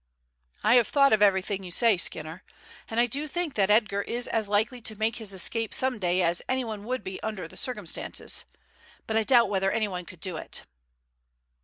"I have thought of everything you say, Skinner, and I do think that Edgar is as likely to make his escape some day as anyone would be under the circumstances; but I doubt whether anyone could do it."